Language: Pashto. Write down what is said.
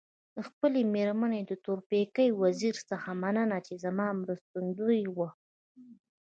د خپلي مېرمني تورپیکۍ وزيري څخه مننه چي زما مرستندويه وه.